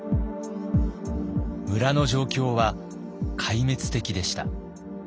村の状況は壊滅的でした。